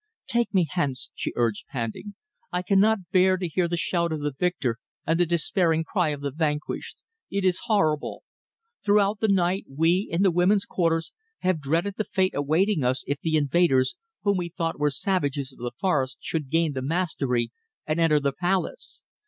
"Take me hence," she urged panting. "I cannot bear to hear the shout of the victor and the despairing cry of the vanquished. It is horrible. Throughout the night we, in the women's quarters, have dreaded the fate awaiting us if the invaders, whom we thought were savages of the forest, should gain the mastery and enter the palace.